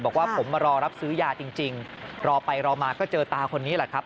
บอกว่าผมมารอรับซื้อยาจริงรอไปรอมาก็เจอตาคนนี้แหละครับ